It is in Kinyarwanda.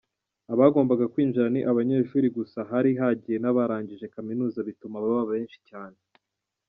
Abagombaga kwinjira ni abanyeshuri gusa hari hagiye n’ abarangije kaminuza bituma baba benshi cyane.